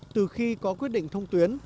từ khi có quyết định thông tuyến